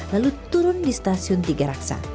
lalu turun di stasiun tiga raksa